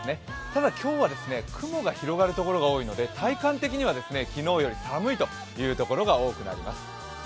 ただ今日は雲が広がる所が多いので体感的には昨日より寒い所が多くなります。